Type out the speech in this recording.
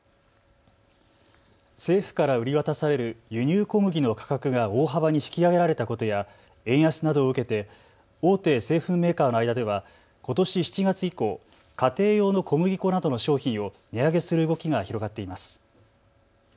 政府から売り渡される輸入小麦の価格が大幅に引き上げられたことや円安などを受けて大手製粉メーカーの間ではことし７月以降、家庭用の小麦粉などの商品を値上げする動きが広がっています。